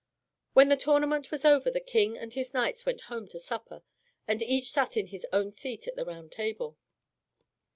When the tournament was over the King and his knights went home to supper, and each sat in his own seat at the Round Table.